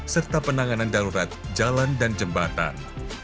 serta penanganan darurat jalan dan jembatan